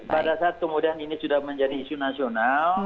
pada saat kemudian ini sudah menjadi isu nasional